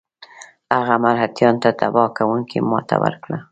هغه مرهټیانو ته تباه کوونکې ماته ورکړه.